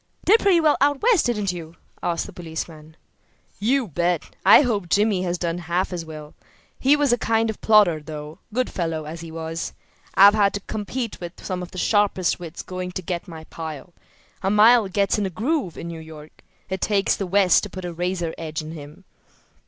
"Did pretty well out West, didn't you?" asked the policeman. "You bet! I hope Jimmy has done half as well. He was a kind of plodder, though, good fellow as he was. I've had to compete with some of the sharpest wits going to get my pile. A man gets in a groove in New York. It takes the West to put a razor edge on him."